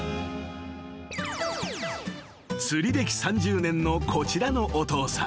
［釣り歴３０年のこちらのお父さん］